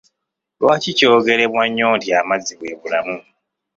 Lwaki kyogerebwa nnyo nti amazzi bwe bulamu?